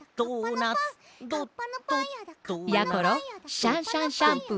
シャンシャンシャンプー。